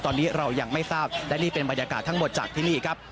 ตอนนี้เรายังไม่ทราบและนี่เป็นบรรยากาศทั้งหมดจากที่นี่ครับ